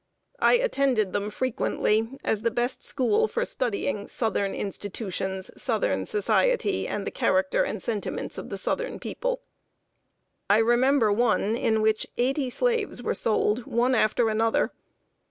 I attended them frequently, as the best school for "studying southern institutions, southern society, and the character and sentiments of the southern people." I remember one in which eighty slaves were sold, one after another.